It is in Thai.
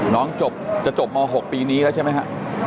น้องจบจะจบม๖ปีนี้แล้วใช่ไหมฮะ